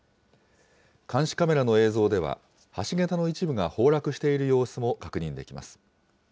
監視カメラの映像では、橋桁の一部が崩落している様子も確認できます。